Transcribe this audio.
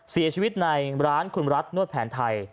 เสียชีวิตในร้านคุณรัฐนวดแผนไทย